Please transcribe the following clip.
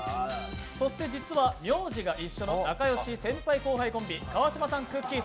そして実は名字が一緒の仲良し先輩後輩コンビ、川島さん、くっきー！